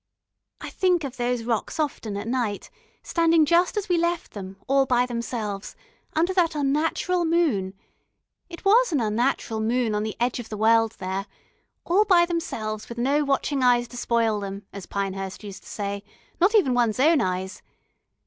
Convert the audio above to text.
I think of those rocks often at night, standing just as we left them, all by themselves, under that unnatural moon, it was an unnatural moon on the edge of the world there, all by themselves, with no watching eyes to spoil them, as Pinehurst used to say, not even one's own eyes....